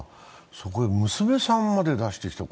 そこに娘さんまで出してきた。